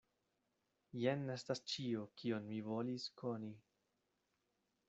Jen estas ĉio, kion mi volis koni.